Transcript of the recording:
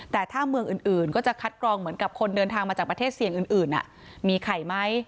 แต่ถ้าเมืองอื่นก็จะคัดกรองเหมือนกับคนเดินทางมาจากประเทศเสี่ยงอื่นมีไข่ไหม